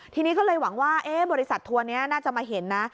ทีนี้ก็เลยหวังว่าบริษัททัวร์นี้น่าจะมาเห็นนะ